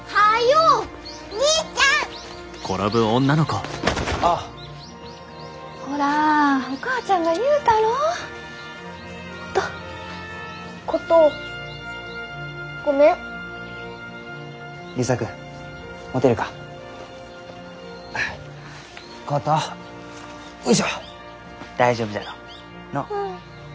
うん。